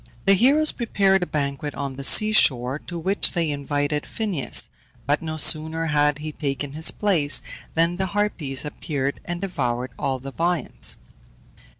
The heroes prepared a banquet on the sea shore, to which they invited Phineus; but no sooner had he taken his place, than the Harpies appeared and devoured all the viands.